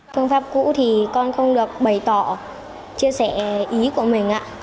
phương pháp cũ thì con không được bày tỏ chia sẻ ý của mình ạ